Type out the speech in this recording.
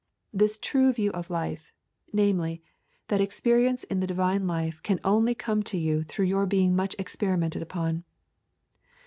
This true view of life, namely, that experience in the divine life can only come to you through your being much experimented upon.